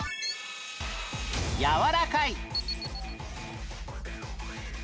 「やわらかい」。